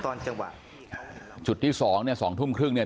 ตอนจังหวะจุดที่สองเนี่ยสองทุ่มครึ่งเนี่ย